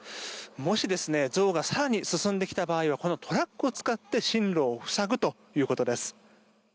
もしゾウが更に進んできた場合はこのトラックを使って進路を塞ぐということです。